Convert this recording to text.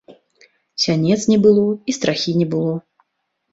Сянец не было, і страхі не было.